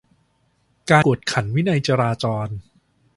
การกวดขันวินัยจราจร